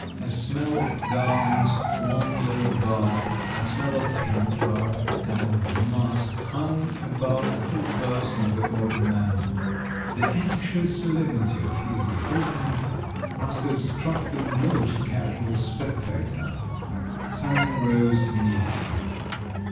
A smell of garments long laid by, a smell of camphor and of musk hung about the whole person of the old man; the anxious solemnity of his deportment must have struck the most casual spectator! Sanin rose to meet him.